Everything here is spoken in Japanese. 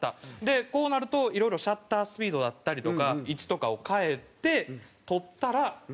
こうなるといろいろシャッタースピードだったりとか位置とかを変えて撮ったらこうなります。